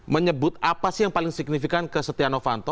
menyebut apa sih yang paling signifikan ke setia novanto